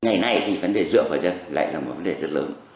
ngày nay thì vấn đề dựa vào dân lại là một vấn đề rất lớn